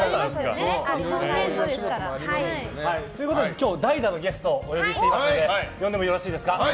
今日代打のゲストをお呼びしていますので呼んでもよろしいですか。